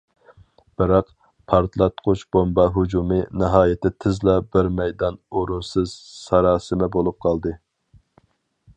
بىراق،« پارتلاتقۇچ بومبا ھۇجۇمى» ناھايىتى تېزلا بىر مەيدان ئورۇنسىز ساراسىمە بولۇپ قالدى.